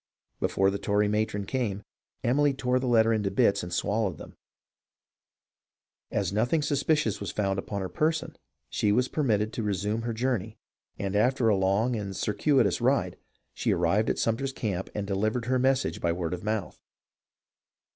Before the Tory matron came, Emily tore the letter into bits and swallowed them. As nothing suspicious was found upon her person she was permitted to resume her journey, and after a long and circuitous ride she arrived at Sumter's camp and delivered her message by word of mouth.